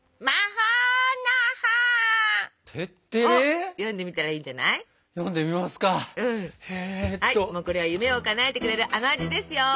はいこれは夢をかなえてくれるあの味ですよ。